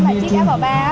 mà chiếc áo bà ba